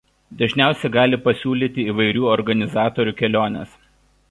Dažniausiai gali pasiūlyti įvairių organizatorių keliones.